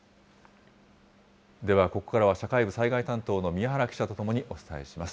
では、ここからは社会部災害担当の宮原記者と共にお伝えします。